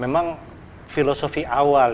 memang filosofi awal